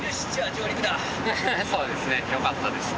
そうですねよかったです。